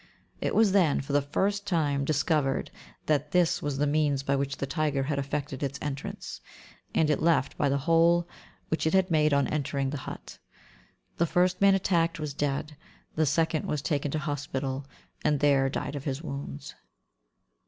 It was then, for the first time, discovered that this was the means by which the tiger had effected its entrance, and it left by the hole which it had made on entering the hut. The first man attacked was dead; the second was taken to hospital, and there died of his wounds.